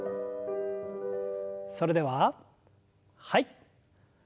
それでははい。